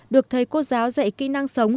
được thầy cô giáo dạy kỹ năng sống